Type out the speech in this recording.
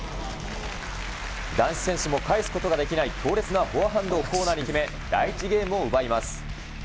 男子選手も返すことができない強烈なフォアハンドをコーナーに決め、第１ゲームを奪います。